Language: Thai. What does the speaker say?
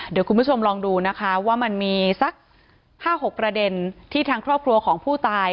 เดี๋ยวคุณผู้ชมลองดูนะคะว่ามันมีสัก๕๖ประเด็นที่ทางครอบครัวของผู้ตาย